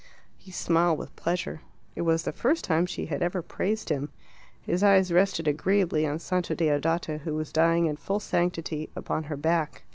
He smiled with pleasure. It was the first time she had ever praised him. His eyes rested agreeably on Santa Deodata, who was dying in full sanctity, upon her back.